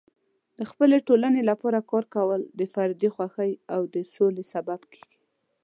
د خپلې ټولنې لپاره کار کول د فردي خوښۍ او د سولې سبب کیږي.